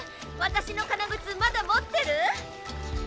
私のかなぐつまだ持ってる？